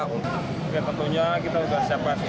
dan tentunya kita sudah siapkan